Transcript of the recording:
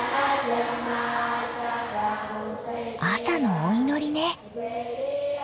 朝のお祈りね。